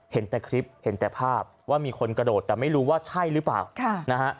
เห็นแต่คลิปเห็นแต่ภาพว่ามีคนกระโดดแต่ไม่รู้ว่าใช่หรือเปล่านะฮะ